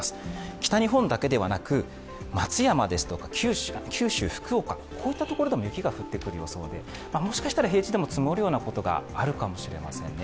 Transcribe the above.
北日本だけではなく松山ですとか九州・福岡、こういったところでも雪が降ってくる予想で、もしかしたら平地でも積もるようなことがあるかもしれませんね。